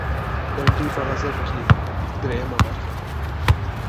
• لنډۍ په غزل کي, درېیمه برخه,